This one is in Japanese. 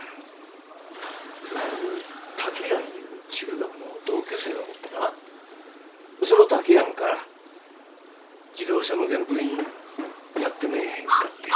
そこに竹やんいう中学の同級生がおってなその竹やんから自動車向けの部品やってめぇへんかて。